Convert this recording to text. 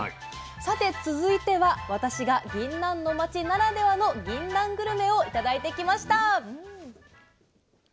さて続いては私がぎんなんの町ならではのぎんなんグルメを頂いてきました。